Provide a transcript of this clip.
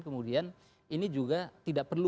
kemudian ini juga tidak perlu